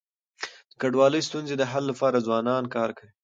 د کډوالی ستونزي د حل لپاره ځوانان کار کوي.